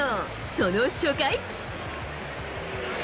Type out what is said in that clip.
その初回。